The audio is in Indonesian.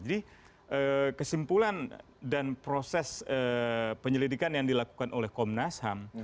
jadi kesimpulan dan proses penyelidikan yang dilakukan oleh komnas ham